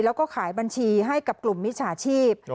แล้วก็ขายบัญชีให้กับกลุ่มมิจฉาชีพ